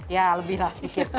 ya lebih lah